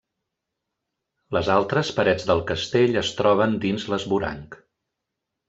Les altres parets del castell es troben dins l'esvoranc.